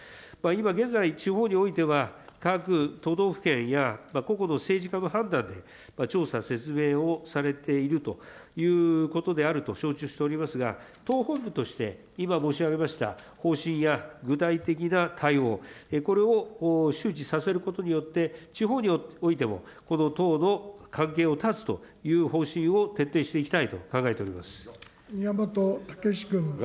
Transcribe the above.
今現在、地方においては、各都道府県や個々の政治家の判断で調査、説明をされているということであると承知しておりますが、党本部として、今申し上げました方針や具体的な対応、これを周知させることによって、地方においてもこの党の関係を断つという方針を徹底していきたいと考えております。